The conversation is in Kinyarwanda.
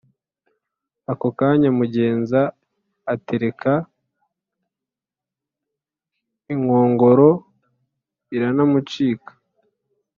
Akokanya mugenza atereka inkongoro iranamucika